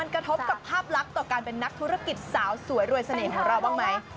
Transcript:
กระทบกับภาพลักษณ์ต่อการเป็นนักธุรกิจสาวสวยรวยเสน่ห์ของเราบ้างไหม